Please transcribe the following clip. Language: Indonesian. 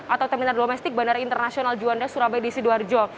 atau terminal domestik bandara internasional juanda surabaya di sidoarjo